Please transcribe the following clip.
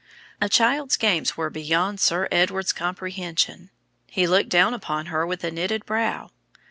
A child's games were beyond Sir Edward's comprehension. He looked down upon her with a knitted brow.